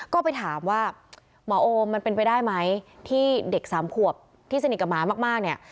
ก็ไปถามว่าหมอโอมมันเป็นไปได้ไหมที่เด็กสามขวบที่สนิทกับหมามากเนี่ย